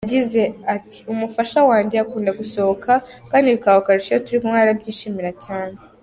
Yagize ati “Umufasha wanjye akunda gusohoka kandi bikaba akarusho iyo turi kumwe, arabyishimira cyane.